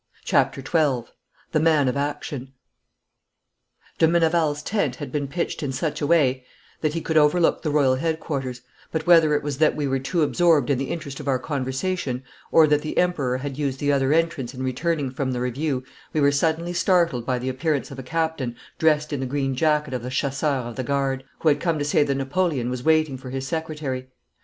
CHAPTER XII THE MAN OF ACTION De Meneval's tent had been pitched in such a way that he could overlook the Royal headquarters, but whether it was that we were too absorbed in the interest of our conversation, or that the Emperor had used the other entrance in returning from the review, we were suddenly startled by the appearance of a captain dressed in the green jacket of the Chasseurs of the Guard, who had come to say that Napoleon was waiting for his secretary.